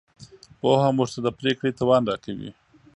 پوهه موږ ته د پرېکړې توان راکوي.